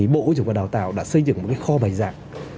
bộ giáo dục và đào tạo đã xây dựng một kho bài giảng